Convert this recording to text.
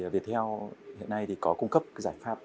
viettel hiện nay có cung cấp giải pháp